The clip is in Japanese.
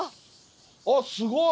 あっすごい！